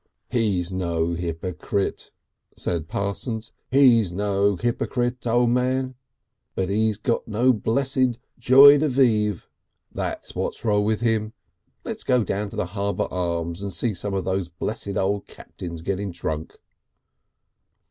"He's no hypocrite," said Parsons, "he's no hypocrite, O' Man. But he's got no blessed Joy de Vive; that's what's wrong with him. Let's go down to the Harbour Arms and see some of those blessed old captains getting drunk."